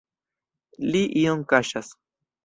Li ion kaŝas!